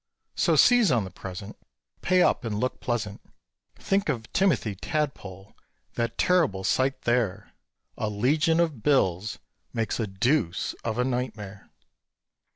So seize on the present, Pay up and look pleasant; Think of Timothy Tadpole that terrible sight there A legion of bills makes a deuce of a nightmare!